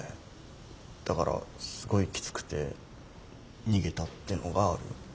だからすごいきつくて逃げたってのがある。